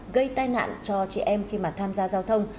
gây tai nạn cho chị em khi mà tham gia giao thông